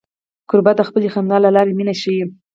کوربه د خپلې خندا له لارې مینه ښيي.